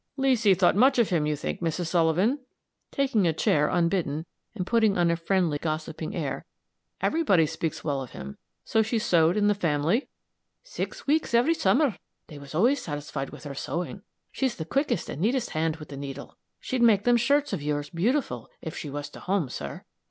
"Leesy thought much of him, you think, Mrs. Sullivan," taking a chair unbidden, and putting on a friendly, gossiping air. "Everybody speaks well of him. So she sewed in the family?" "Six weeks every summer. They was always satisfied with her sewing she's the quickest and neatest hand with the needle! She'd make them shirts of yours beautiful, if she was to home, sir."